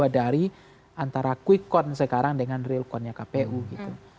dua dari antara quick count sekarang dengan real count nya kpu gitu